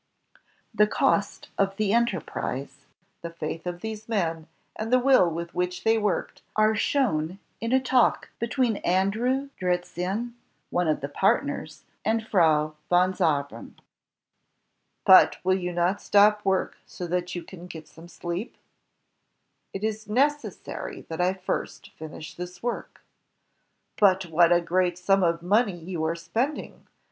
The cost of the enterprise, the faith of these men, and the will with which they worked are shown in a talk be GUTENBEBO 'tween Andrew Dritzehen, one Frau von Zabern: "But will you not stop work, of the partners, and a so that you can get some "It is necessary that I first finish this work." "But what a great sum of money you are spending.